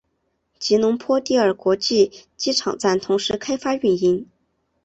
吉隆坡第二国际机场站同时开放运营。